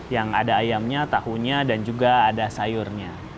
yang ada ayamnya tahunya dan juga ada sayurnya